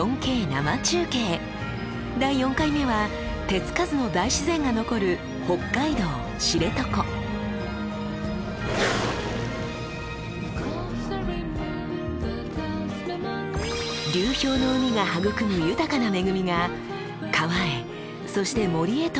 第４回目は手付かずの大自然が残る流氷の海が育む豊かな恵みが川へそして森へと巡り